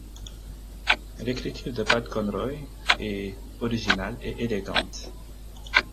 L'écriture de Pat Conroy est originale et élégante.